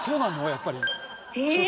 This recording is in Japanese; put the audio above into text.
やっぱり。え？